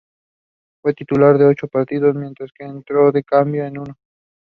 She is an important proponent of natural language ontology.